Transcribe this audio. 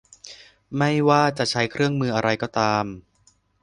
ไม่ว่าจะใช้เครื่องมืออะไรก็ตาม